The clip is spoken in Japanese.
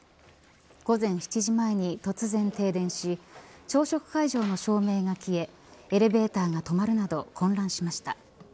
午前７時前に突然停電し朝食会場の照明が消えエレベーターが止まるなど混乱しました。